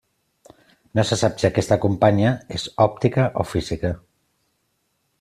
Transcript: No se sap si aquesta companya és òptica o física.